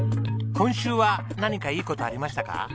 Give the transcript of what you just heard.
今週は何かいい事ありましたか？